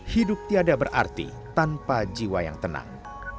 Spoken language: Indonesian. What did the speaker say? hidup tiada berarti tanpa jiwa yang tenang